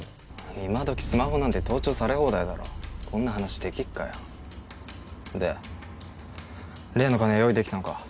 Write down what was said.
今どきスマホなんて盗聴され放題だろこんな話できっかよで例の金は用意できたのか？